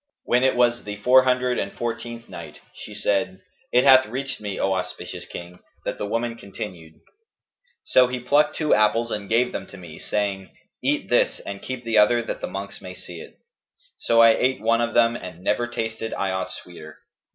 When it was the Four Hundred and Fourteenth Night, She said, It hath reached me, O auspicious King, that the woman continued: "'So he plucked two apples and gave them to me, saying, 'Eat this and keep the other that the monks may see it.' So I ate one of them and never tasted I aught sweeter.